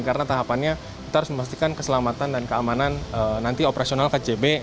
karena tahapannya kita harus memastikan keselamatan dan keamanan nanti operasional kcb